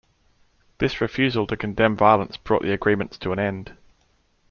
This refusal to condemn violence brought the agreements to an end.